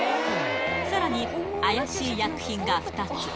さらに怪しい薬品が２つ。